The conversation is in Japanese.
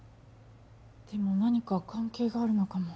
でも何か関係があるのかも。